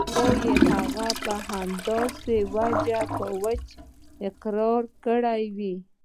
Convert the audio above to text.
ته وايې هغوى به همداسې وچ په وچه اقرار کړى وي.